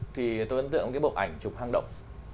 thì tôi ấn tượng cái bộ ảnh chụp hang động